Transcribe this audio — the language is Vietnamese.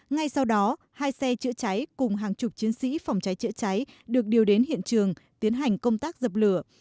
ngay sau đó hai xe chữa cháy cùng hàng chục chiến sĩ phòng cháy chữa cháy được điều đến hiện trường tiến hành công tác dập lửa